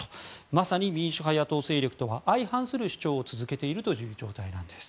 まさに民主派野党勢力とは相反する主張を続けているという状態なんです。